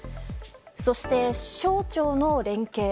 そして、省庁の連携。